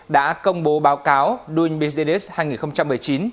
đã công bố báo cáo doing business hai nghìn một mươi chín